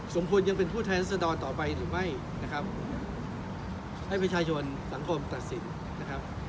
ควรยังเป็นผู้แทนรัศดรต่อไปหรือไม่นะครับให้ประชาชนสังคมตัดสินนะครับ